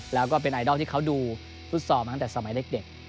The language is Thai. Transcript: แล้วก็เป็นไอดอลที่เขาดูฟุตซอลมาตั้งแต่สมัยเด็ก